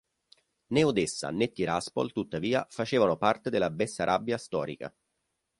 Né Odessa né Tiraspol tuttavia facevano parte della Bessarabia storica.